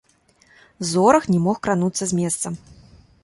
Зорах не мог крануцца з месца.